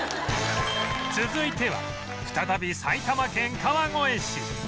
続いては再び埼玉県川越市